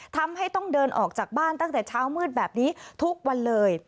ทำให้ต้องเดินออกจากบ้านตั้งแต่เช้ามืดแบบนี้ทุกวันเลย